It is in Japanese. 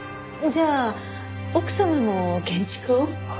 じゃあ奥様も建築を？